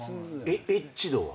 エッチ度は？